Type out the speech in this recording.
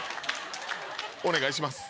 お願いします